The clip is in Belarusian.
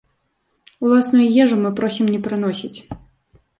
Уласную ежу мы просім не прыносіць.